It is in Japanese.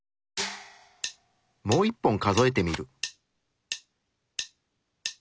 もう一本数えてみる。